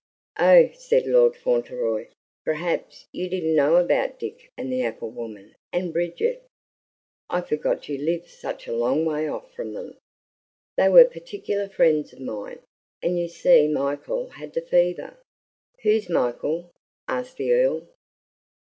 "Oh!" said Lord Fauntleroy, "perhaps you didn't know about Dick and the apple woman and Bridget. I forgot you lived such a long way off from them. They were particular friends of mine. And you see Michael had the fever " "Who's Michael?" asked the Earl.